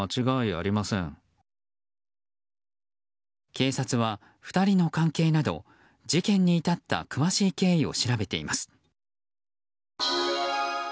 警察は２人の関係など事件に至った詳しい経緯を調べています。